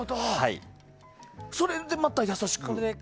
それでまた優しく？